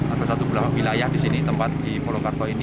ada satu beberapa wilayah di sini tempat di polongkarto ini